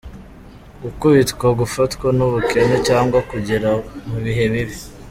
Gukubitwa: gufatwa n’ubukene cyangwa kugera mu bihe bibi.